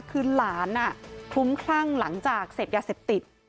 คือหลานคลุ้มคลั่งหลังจากเสพยาเสพติด